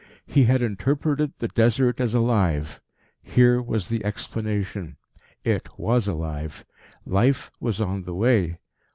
He had interpreted the Desert as alive. Here was the explanation. It was alive. Life was on the way.